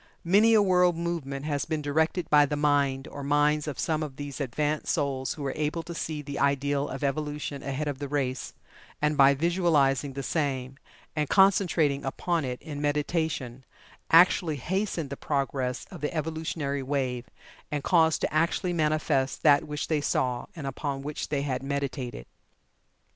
Many a world movement has been directed by the mind, or minds, of some of these advanced souls who were able to see the ideal of evolution ahead of the race, and by visualizing the same, and concentrating upon it in meditation, actually hastened the progress of the evolutionary wave, and caused to actually manifest that which they saw, and upon which they had meditated.